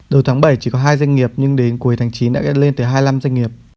đầu tháng bảy chỉ có hai doanh nghiệp nhưng đến cuối tháng chín đã lên tới hai mươi năm doanh nghiệp